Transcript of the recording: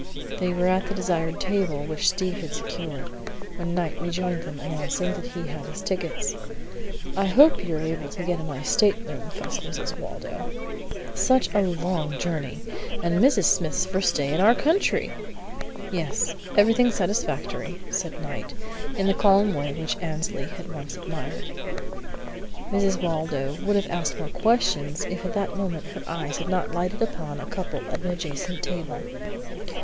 They were at the desired table, which Steve had secured, when Knight rejoined them, announcing that he had his tickets. "I hope you were able to get a nice stateroom?" fussed Mrs. Waldo. "Such a long journey, and Mrs. Smith's first day in our country!" "Yes. Everything satisfactory," said Knight, in the calm way which Annesley had once admired. Mrs. Waldo would have asked more questions if at that moment her eyes had not lighted upon a couple at an adjacent table.